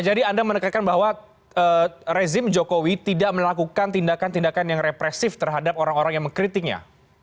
jadi anda menekankan bahwa rezim jokowi tidak melakukan tindakan tindakan yang represif terhadap orang orang yang mengkritiknya